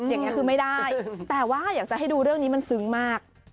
อย่างนี้คือไม่ได้แต่ว่าอยากจะให้ดูเรื่องนี้มันซึ้งมาก